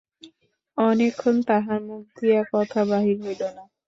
অনেকক্ষণ তাহার মুখ দিয়া কথা বাহির হইল না।